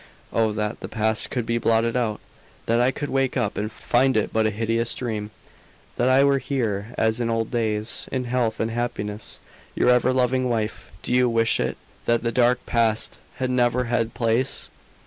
Oh! that the past could be blotted out! That I could wake up and find it but a hideous dream; that I were here as in old days, in health and happiness, your ever loving wife. Do you wish it, that the dark past had never had place?"